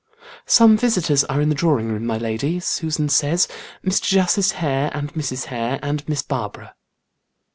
"Some visitors are in the drawing room, my lady, Susan says. Mr. Justice Hare and Mrs. Hare and Miss Barbara."